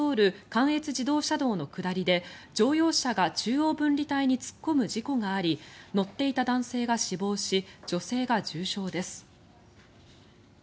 関越自動車道の下りで乗用車が中央分離帯に突っ込む事故があり乗っていた男性が死亡し女性が重傷です。